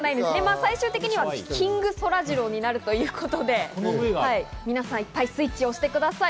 最終的にはキングそらジローになるということで、皆さん、いっぱいスイッチを押してください。